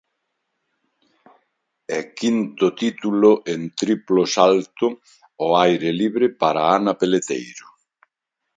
E quinto título en triplo salto ao aire libre para Ana Peleteiro.